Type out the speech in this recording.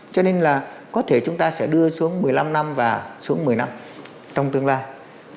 cho nên là có thể chúng ta sẽ đưa xuống một mươi năm năm và xuống một mươi năm trong tương lai